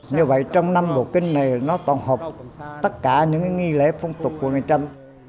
như vậy trong năm bộ kinh này nó toàn hợp tất cả những nghi lễ phong tục của người trâm